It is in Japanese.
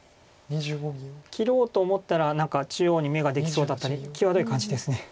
切ろうと思ったら何か中央に眼ができそうだったり際どい感じです。